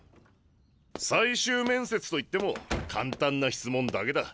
最終面接と言っても簡単な質問だけだ。